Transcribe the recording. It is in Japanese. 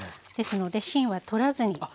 ですので芯は取らずに。